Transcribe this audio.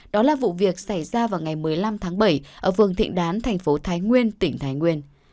đó là vụ việc xảy ra vào ngày một mươi năm tháng bảy ở vườn thịnh đán thành phố thái nguyên tỉnh thái nguyên